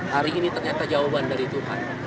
hari ini ternyata jawaban dari tuhan